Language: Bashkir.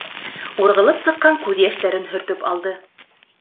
Урғылып сыҡҡан күҙ йәштәрен һөртөп алды.